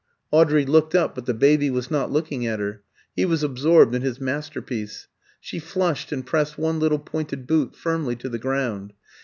Audrey looked up, but the baby was not looking at her; he was absorbed in his masterpiece. She flushed, and pressed one little pointed boot firmly to the ground.